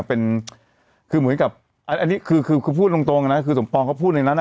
เป็นคือเหมือนกับอันนี้คือคือพูดตรงนะคือสมปองเขาพูดในนั้น